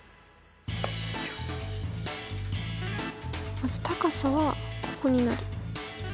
まず高さはここになる。